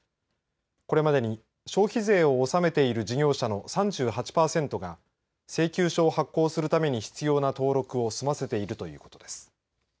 これまでに消費税を納めている事業者の３８パーセントが請求書を発行するために必要な登録を済ませているということです。